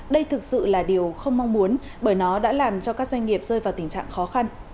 đây thực sự là điều không mong muốn bởi nó đã làm cho các doanh nghiệp rơi vào tình trạng khó khăn